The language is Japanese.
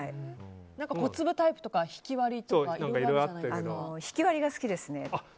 小粒タイプとかひきわりとかひきわりが好きですね。